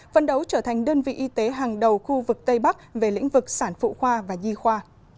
phân đấu trở thành đơn vị y tế hàng đầu khu vực tây bắc về lĩnh vực sản phụ khoa và nhi khoa